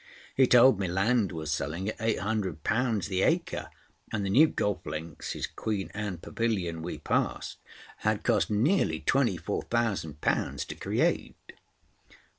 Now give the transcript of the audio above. He told me land was selling at eight hundred pounds the acre, and the new golf links, whose Queen Anne pavilion we passed, had cost nearly twenty four thousand pounds to create.